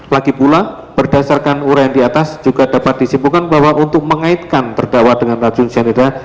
lagi pula berdasarkan uraian di atas juga dapat disimpulkan bahwa untuk mengaitkan terdakwa dengan racun cyanida